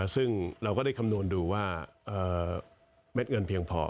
ซึ่งเราก็ได้คำนวณดูว่าเม็ดเงินเพียงพอ